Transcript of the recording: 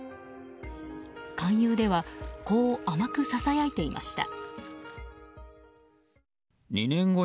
勧誘では、こう甘くささやいていました。